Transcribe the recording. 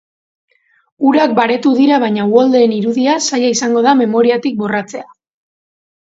Urak baretu dira baina uholdeen irudia zaila izango da memoriatik borratzea.